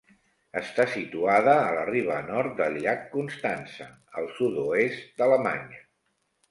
Està situada a la riba nord del llac Constança, al sud-oest d'Alemanya.